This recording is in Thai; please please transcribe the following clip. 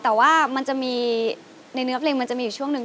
แต่ว่ามันจะมีในเนื้อเพลงมันจะมีอยู่ช่วงหนึ่ง